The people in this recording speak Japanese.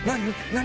何？